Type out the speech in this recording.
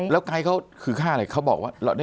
แล้วไกด์เขาคือค่าอะไรเขาบอกว่า